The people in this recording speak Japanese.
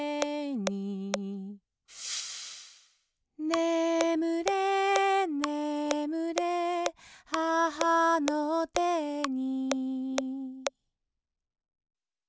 「ねむれねむれ母の手に」